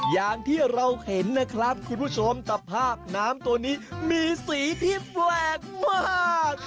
อย่างที่เราเห็นนะครับคุณผู้ชมตภาพน้ำตัวนี้มีสีที่แปลกมาก